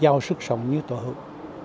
giao sức sống như tổ hữu